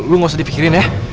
lu gak usah dipikirin ya